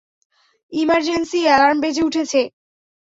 Emergency alarm বেজে উঠেছে।